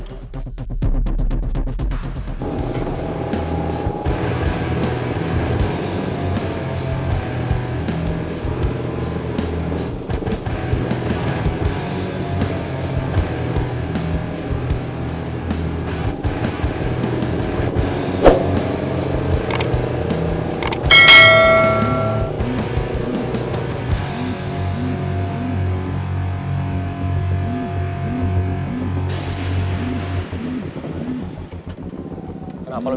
kita agak pas sih